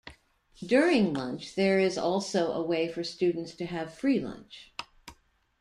During lunch, there is also a way for students to have free lunch.